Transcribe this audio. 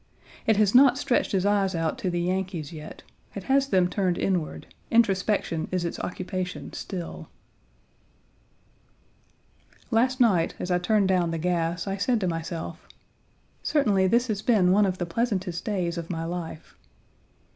It has not stretched its eyes out to the Yankees yet; it has them turned inward; introspection is its occupation still. Last night, as I turned down the gas, I said to myself: "Certainly this has been one of the pleasantest days of my life."